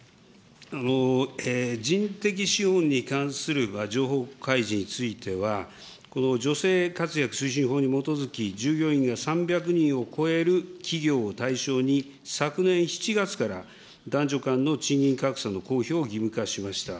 人的資本に関する情報開示については、女性活躍推進法に基づき、従業員が３００人を超える企業を対象に、昨年７月から、男女間の賃金格差の公表を義務化しました。